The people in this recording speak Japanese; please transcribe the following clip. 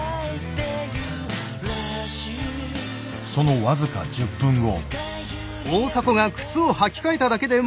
その僅か１０分後。